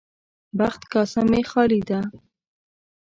بخت کاسه مې خالي ده.